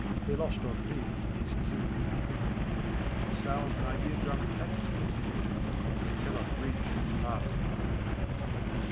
They're lost on me, these tinkling trickles; The sound my ear drum pats and tickles. But cannot reach this heart of mine.